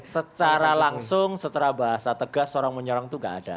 secara langsung secara bahasa tegas sorong menyorong itu tidak ada